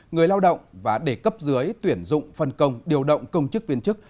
người lao động và đề cấp dưới tuyển dụng phân công điều động công chức viên chức